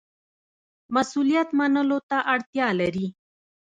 مسوولیت منلو ته اړتیا لري